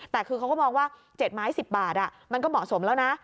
แต่คือเขาก็มองว่า๗ไม้๑๐บาทมันก็เหมาะสมแล้วนะ